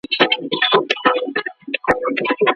حقوقو پوهنځۍ په زوره نه تحمیلیږي.